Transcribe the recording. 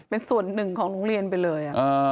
เป็นส่วนหนึ่งของโรงเรียนไปเลย